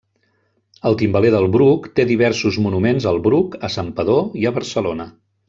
El timbaler del Bruc té diversos monuments al Bruc, a Santpedor i a Barcelona.